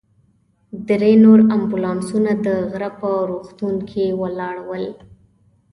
درې نور امبولانسونه د غره په روغتون کې ولاړ ول.